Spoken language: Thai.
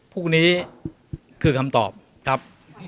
พวกนี้คือคำตอบครับ